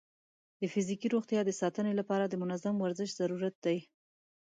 د فزیکي روغتیا د ساتنې لپاره د منظم ورزش ضرورت دی.